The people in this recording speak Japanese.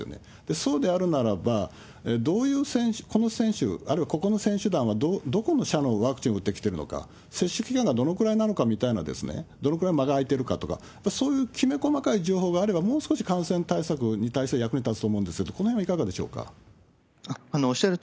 そうであるならば、どういうこの選手、あるいはここの選手団はどこの社のワクチンを打ってきてるのか、接種期間がどのぐらいなのかみたいなですね、どのくらい間が空いてるかとか、そういうきめ細かい情報があれば、もう少し感染対策に対しては役に立つと思うんですけど、このへんはいかがでしょうか？